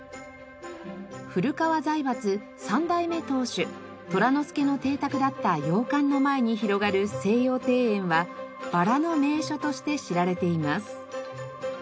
古河財閥三代目当主虎之助の邸宅だった洋館の前に広がる西洋庭園はバラの名所として知られています。